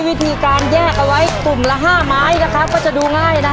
ทุกที่การแยกไว้กุ่มละ๕ไม้ก็จะดูง่ายค่ะ